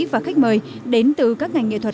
và khách mời đến từ các ngành nghệ thuật